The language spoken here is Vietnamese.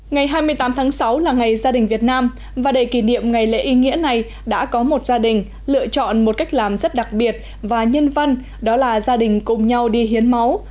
ngày hai mươi tám tháng sáu là ngày gia đình việt nam và đầy kỷ niệm ngày lễ ý nghĩa này đã có một gia đình lựa chọn một cách làm rất đặc biệt và nhân văn đó là gia đình cùng nhau đi hiến máu